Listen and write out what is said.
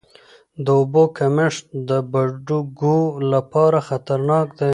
د اوبو کمښت د بډوګو لپاره خطرناک دی.